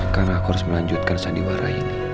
karena aku harus melanjutkan sandiwara ini